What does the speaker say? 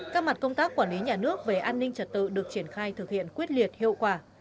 các mặt công tác quản lý nhà nước về an ninh trật tự được triển khai thực hiện quyết liệt hiệu quả